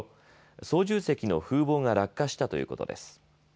操縦席の風防が落下したということです。